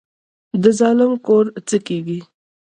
د ظالم کور څه کیږي؟